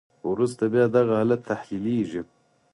وروسته بیا دغه حالت تحلیلیږي.